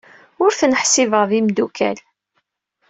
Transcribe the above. Ur ten-ḥsibeɣ d imeddukal.